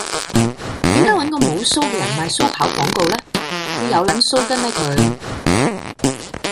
點解搵個無鬚嘅人賣鬚刨廣告呢？佢有撚鬚根咩佢